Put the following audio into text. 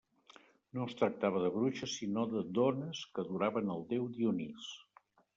No es tractava de bruixes sinó de dones que adoraven el déu Dionís.